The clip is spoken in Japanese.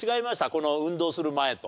この運動する前と。